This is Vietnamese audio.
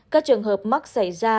các trường hợp mắc xảy ra